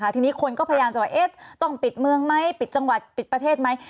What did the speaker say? ทีนี้คนก็พยายามจะว่าต้องปิดเมืองไหมปิดจังหวัดปิดประเทศไหม